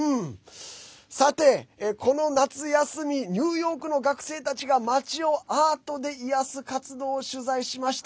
さて、夏休みニューヨークの学生たちが街をアートで癒やす活動を取材しました。